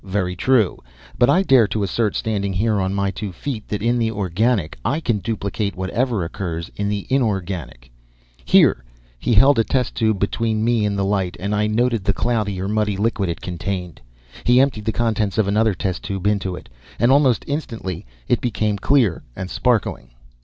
Very true. But I dare to assert, standing here on my two feet, that in the organic I can duplicate whatever occurs in the inorganic. "Here!" He held a test tube between me and the light, and I noted the cloudy or muddy liquid it contained. He emptied the contents of another test tube into it, and almost instantly it became clear and sparkling.